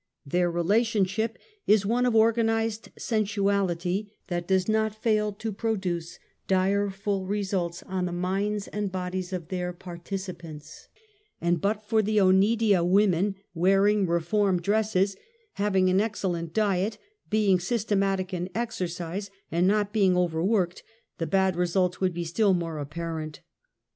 Their relationship is one of organized sensuality that does not fail to produce direful results on the minds and bodies of their participants, and but for the \Onedia women wearing reform dresses, having an excellent diet, being systematic in exercise, and not being overworked, the bad results would be still more apparent.